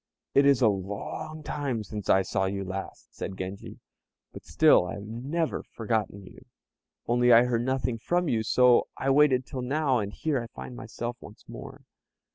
"It is a long time since I saw you last," said Genji, "but still I have never forgotten you, only I heard nothing from you; so I waited till now, and here I find myself once more."